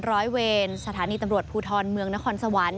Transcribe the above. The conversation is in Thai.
ร้อยเวรสถานีตำรวจภูทรเมืองนครสวรรค์